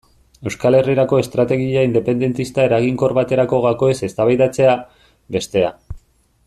Euskal Herrirako estrategia independentista eraginkor baterako gakoez eztabaidatzea, bestea.